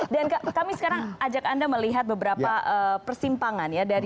dan kami sekarang ajak anda melihat beberapa persimpangan